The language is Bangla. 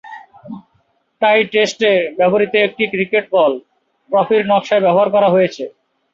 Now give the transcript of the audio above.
টাই টেস্টে ব্যবহৃত একটি ক্রিকেট বল ট্রফির নকশায় ব্যবহার করা হয়েছে।